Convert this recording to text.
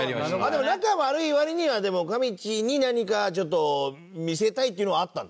でも仲悪い割にはかみちぃに何か見せたいっていうのはあったんだね。